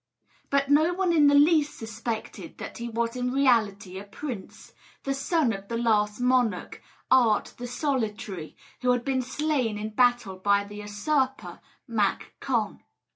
But no one in the least suspected that he was in reality a prince, the son of the last monarch, Art the Solitary, who had been slain in battle by the usurper, Mac Con.